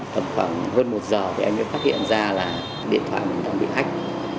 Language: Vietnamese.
khoảng hơn một giờ thì anh đã phát hiện ra là điện thoại mình đang bị ách